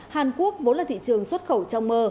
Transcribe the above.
hàn quốc vốn là thị trường xuất khẩu trong mơ